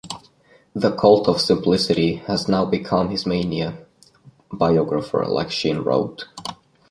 "The cult of simplicity has now become his mania," biographer Lakshin wrote.